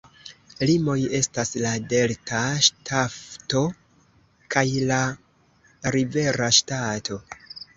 Limoj estas la Delta Ŝtato kaj la Rivera Ŝtato.